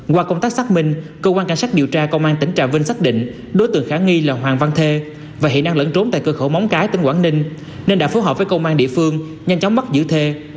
qua công tác xác minh cơ quan cảnh sát điều tra công an tỉnh trà vinh xác định đối tượng khả nghi là hoàng văn thê và hiện đang lẫn trốn tại cơ khẩu móng cái tỉnh quảng ninh nên đã phối hợp với công an địa phương nhanh chóng bắt giữ thê